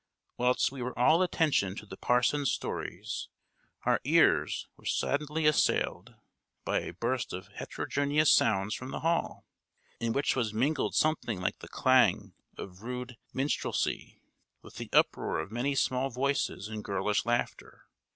Whilst we were all attention to the parson's stories, our ears were suddenly assailed by a burst of heterogeneous sounds from the hall, in which was mingled something like the clang of rude minstrelsy, with the uproar of many small voices and girlish laughter.